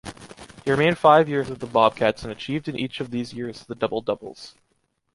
He remained five years with the Bobcats and achieved in each of these years the Double-Doubles.